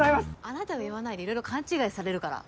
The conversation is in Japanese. あなたが言わないでいろいろ勘違いされるから。